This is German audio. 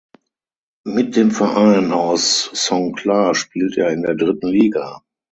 Mit dem Verein aus Songkhla spielt er in dritten Liga.